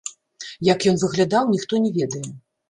Як ён выглядаў, ніхто не ведае.